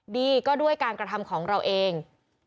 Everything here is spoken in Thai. ดีก็ด้วยการกระทำของเราเอง